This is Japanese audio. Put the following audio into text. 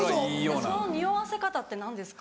そのにおわせ方って何ですか？